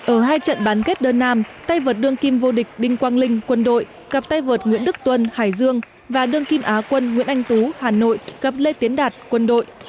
ở hai trận bán kết đơn nam tay vợt đương kim vô địch đinh quang linh quân đội gặp tay vợt nguyễn đức tuân hải dương và đương kim á quân nguyễn anh tú hà nội gặp lê tiến đạt quân đội